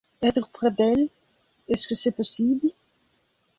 Être près d’elle, est-ce que c’est possible?